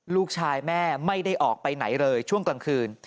ลูกชายแม่ไม่ได้ออกไปไหนเลยช่วงกลางคืน